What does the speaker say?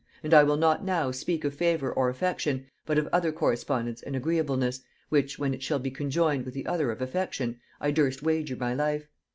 And I will not now speak of favor or affection, but of other correspondence and agreeableness, which, when it shall be conjoined with the other of affection, I durst wager my life...